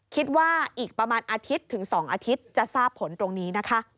คิดว่าอีกประมาณอาทิตย์ถึง๒อาทิตย์จะทราบผลตรงนี้นะคะ